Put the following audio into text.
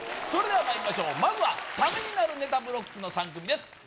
それではまいりましょうまずはタメになるネタブロックの３組です